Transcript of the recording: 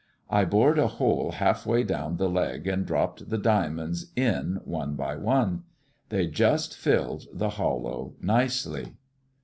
I bored a hole half way down the leg and dropped the diamonds in one by one. They just filled the hollow nicely."